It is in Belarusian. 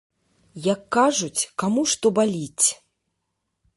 Як кажуць, каму што баліць.